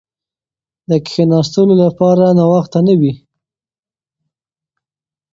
د کښېناستو لپاره ناوخته نه وي.